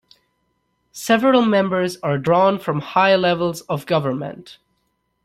Several members are drawn from high levels of government.